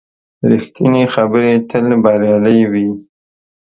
ریښتینې خبرې تل بریالۍ وي.